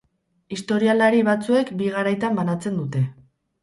Historialari batzuek bi garaitan banatzen dute.